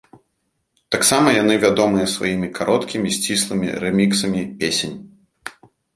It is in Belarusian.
Таксама яны вядомыя сваімі кароткімі сціслымі рэміксамі песень.